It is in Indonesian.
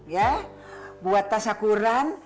ya buat tasya kurang